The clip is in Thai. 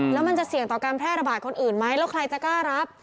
แล้วมันจะเสี่ยงต่อการแพร่ระบาดคนอื่นไหมแล้วใครจะกล้ารับ